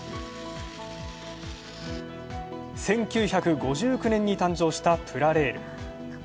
１９５９年に誕生したプラレール。